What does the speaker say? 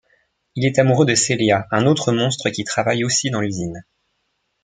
Il est amoureux de Celia, un autre monstre qui travaille aussi dans l'usine.